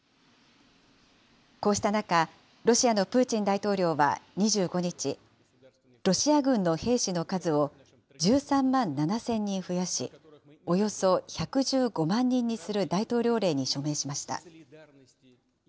こうした中、ロシアのプーチン大統領は２５日、ロシア軍の兵士の数を、１３万７０００人増やし、およそ１１５万人にする大統領令に署名しました。